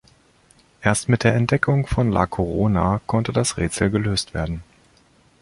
Erst mit der Entdeckung von La Corona konnte das Rätsel gelöst werden.